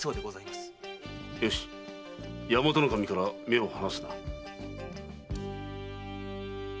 よし大和守から目を離すな。